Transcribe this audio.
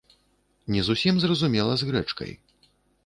Не зусім зразумела з грэчкай.